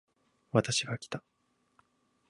私がきた